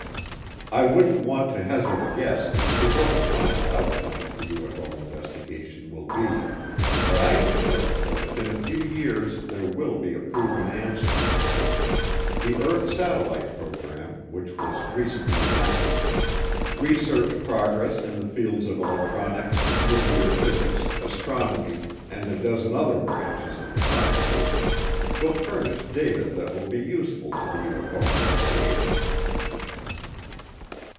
I wouldn't want to hazard a guess as to what the final outcome of the UFO investigation will be, but I am sure that within a few years there will be a proven answer. The earth satellite program, which was recently announced, research progress in the fields of electronics, nuclear physics, astronomy, and a dozen other branches of the sciences will furnish data that will be useful to the UFO investigators.